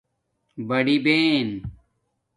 بڑی بہن